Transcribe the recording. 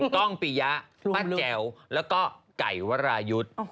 กล้องปียะปั้นแจ๋วแล้วก็ไก่วรายุทธ์